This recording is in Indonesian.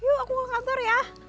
yuk aku mau kantor ya